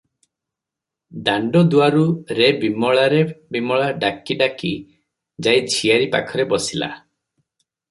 ଦାଣ୍ଡ ଦୁଆରୁ "ରେ ବିମଳା! ରେ ବିମଳା!" ଡାକି ଡାକି ଯାଇ ଝିଆରୀ ପଖରେ ବସିଲା ।